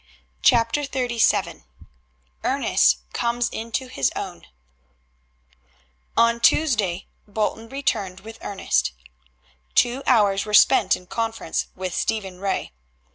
CHAPTER XXXVII ERNEST COMES INTO HIS OWN On Tuesday Bolton returned with Ernest. Two hours were spent in conference with Stephen Ray.